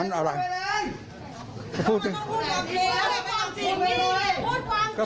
ครับครับ